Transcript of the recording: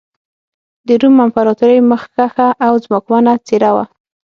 د روم امپراتورۍ مخکښه او ځواکمنه څېره وه.